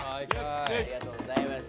ありがとうございます。